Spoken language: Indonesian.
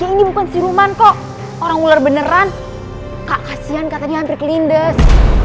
ini bukan siluman kok orang beneran kak kasihan katanya ke lindes